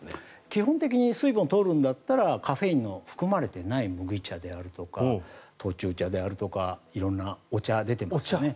基本的に水分を取るんだったらカフェインの含まれていない麦茶であるとか杜仲茶であるとか色んなお茶が出てますね。